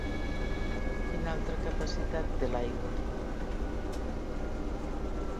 Quina altre capacitat té l'aigua?